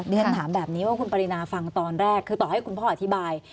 ฉันถามแบบนี้ว่าคุณปรินาฟังตอนแรกคือต่อให้คุณพ่ออธิบาย